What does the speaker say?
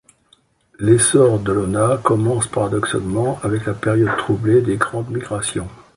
L'essor d'Olonna commence paradoxalement avec la période troublée des grandes migrations.